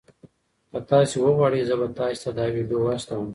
که تاسي وغواړئ زه به تاسي ته دا ویډیو واستوم.